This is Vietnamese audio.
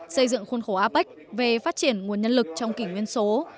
xây dựng khuôn khổ apec về phát triển nguồn nhân lực trong kỷ nguyên số